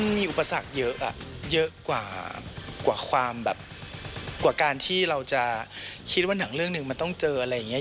มีอุปสรรคเยอะเยอะกว่าความแบบกว่าการที่เราจะคิดว่าหนังเรื่องหนึ่งมันต้องเจออะไรอย่างนี้